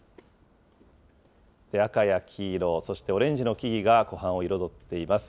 赤や黄色、そしてオレンジの木々が湖畔を彩っています。